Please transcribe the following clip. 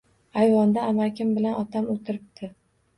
Ayvonda amakim bilan otam o`tiribdi